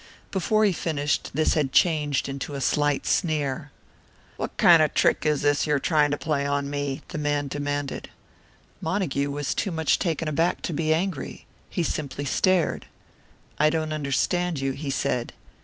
Before he finished, this had changed to a slight sneer. "What kind of a trick is this you are trying to play on me?" the man demanded. Montague was too much taken aback to be angry. He simply stared. "I don't understand you," he said.